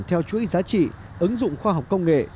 theo chuỗi giá trị ứng dụng khoa học công nghệ